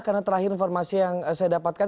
karena terakhir informasi yang saya dapatkan